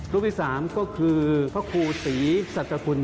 รูปที่๓ก็คือพระครูศรีสัจคุณ